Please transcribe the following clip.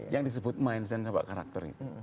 yang disebut mindset karakter itu